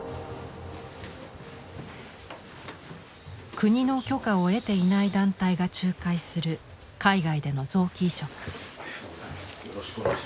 国の許可を得ていない団体が仲介する海外での臓器移植。